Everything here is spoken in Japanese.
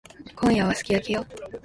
今夜はすき焼きよ。